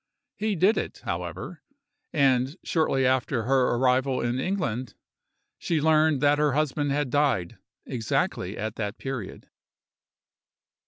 He did it, however; and, shortly after her arrival in England, she learned that her husband had died exactly at that period.